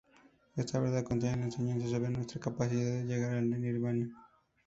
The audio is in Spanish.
Esta verdad contiene la enseñanza sobre nuestra capacidad de llegar al Nirvana.